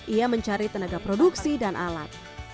ia mencari tenaga produksi dan alat